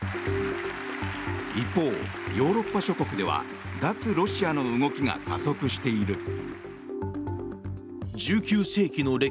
一方、ヨーロッパ諸国では脱ロシアの動きが加速している。